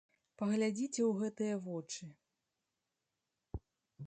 Паглядзіце ў гэтыя вочы!